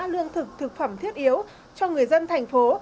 lương thực thực phẩm thiết yếu cho người dân thành phố